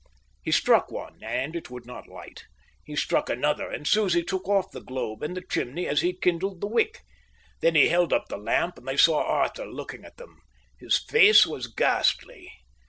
He struck one, and it would not light. He struck another, and Susie took off the globe and the chimney as he kindled the wick. Then he held up the lamp, and they saw Arthur looking at them. His face was ghastly.